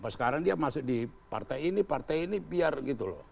sekarang dia masuk di partai ini partai ini biar gitu loh